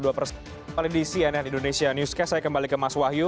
apalagi di cnn indonesia newscast saya kembali ke mas wahyu